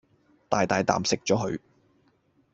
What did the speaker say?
大大啖食左佢